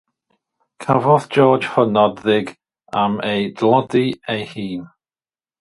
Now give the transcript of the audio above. Cafodd George hynod ddig am ei dlodi ei hun.